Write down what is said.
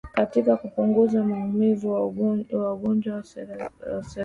katika kupunguza maumivu kwa wagonjwa wa saratani